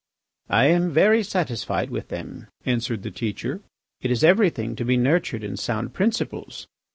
"I am very satisfied with them," answered the teacher. "It is everything to be nurtured in sound principles.